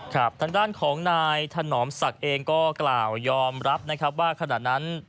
ทางด้านของนายถนอมศักดิ์เองก็กล่าวยอมรับนะครับว่าขณะนั้น